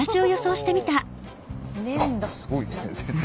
すごいですね先生。